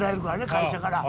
会社から。